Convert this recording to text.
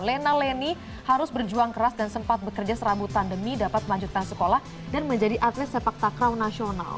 lena leni harus berjuang keras dan sempat bekerja serabutan demi dapat melanjutkan sekolah dan menjadi atlet sepak takraw nasional